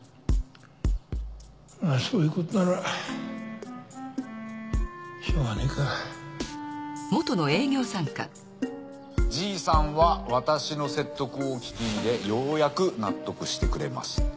まぁそういうことならしようがねえかじいさんは私の説得を聞き入れようやく納得してくれました。